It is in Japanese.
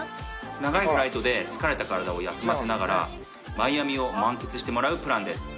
長いフライトで疲れた体を休ませながらマイアミを満喫してもらうプランです